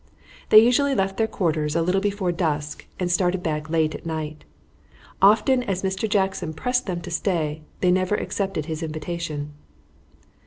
They usually left their quarters a little before dusk and started back late at night. Often as Mr. Jackson pressed them to stay, they never accepted his invitation.